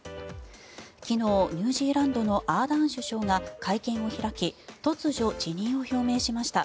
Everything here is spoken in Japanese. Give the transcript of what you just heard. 昨日、ニュージーランドのアーダーン首相が会見を開き突如、辞任を表明しました。